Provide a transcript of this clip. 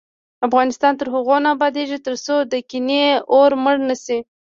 افغانستان تر هغو نه ابادیږي، ترڅو د کینې اور مړ نشي.